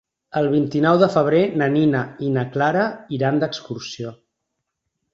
El vint-i-nou de febrer na Nina i na Clara iran d'excursió.